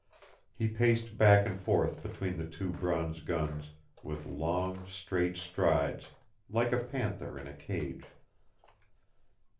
He paced back and forth between the two bronze guns with long, straight strides, like a panther in a cage.